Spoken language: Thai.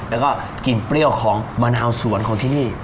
แล้วก็กลิ่นเปรี้ยวของมะนาวสวนของที่นี่